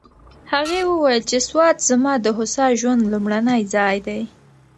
هغې وویل چې سوات زما د هوسا ژوند لومړنی ځای دی.